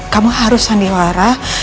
kamu harus sanduara